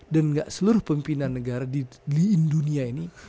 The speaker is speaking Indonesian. dan gak seluruh pimpinan negara di dunia ini